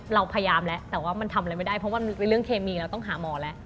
เราพยายามแล้วแต่ว่ามันทำอะไรไม่ได้เพราะว่ามันเป็นเรื่องเคมีเราต้องหาหมอแล้ว